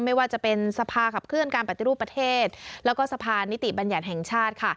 ไม่ว่าจะเป็นสภาขับเคลื่อนการปฏิรูปประเทศแล้วก็สะพานนิติบัญญัติแห่งชาติค่ะ